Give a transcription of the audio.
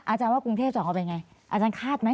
อาจารย์ว่ากรุงเทพจะเอาเป็นไงอาจารย์คาดไหม